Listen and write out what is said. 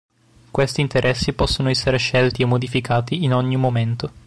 Questi interessi possono essere scelti e modificati in ogni momento.